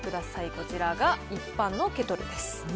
こちらが一般のケトルです。